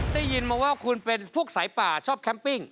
ได้ยินมาว่าคุณเป็นพวกสายป่าชอบแคมปิ้ง